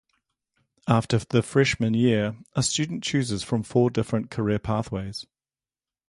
After the freshman year, a student chooses from four different career pathways.